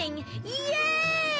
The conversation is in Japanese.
イエーイ！